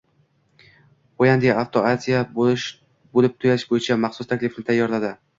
Hyundai Auto Asia bo‘lib to‘lash bo‘yicha maxsus taklifni tayyorladi